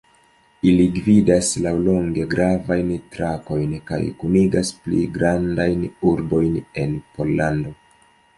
Ili gvidas laŭlonge gravajn trakojn kaj kunigas pli grandajn urbojn en Pollando.